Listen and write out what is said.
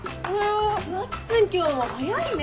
なっつん今日も早いね。